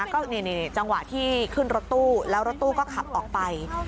ก็นี่จังหวะที่ขึ้นรถตู้แล้วรถตู้ก็ขับออกไป